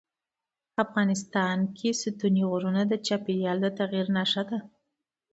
افغانستان کې ستوني غرونه د چاپېریال د تغیر نښه ده.